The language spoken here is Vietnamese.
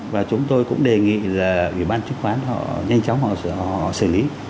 và chúng tôi cũng đề nghị là ủy ban chứng khoán họ nhanh chóng họ xử lý